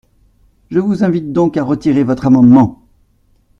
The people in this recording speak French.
Je vous invite donc à retirer votre amendement.